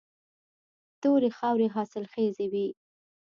تورې خاورې حاصلخیزې وي.